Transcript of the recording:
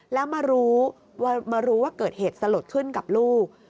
แล้วมารู้มารู้ว่าเกิดเหตุสลดขึ้นกับลูก